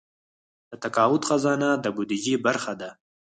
د تقاعد خزانه د بودیجې برخه ده